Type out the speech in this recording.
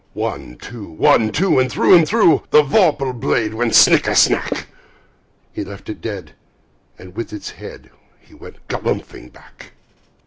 One, two! One, two! And through and through The vorpal blade went snicker snack! He left it dead, and with its head He went galumphing back.